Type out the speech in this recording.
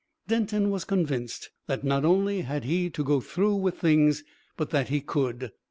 Denton was convinced that not only had he to go through with things, but that he could.